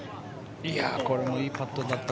これもいいパットだった。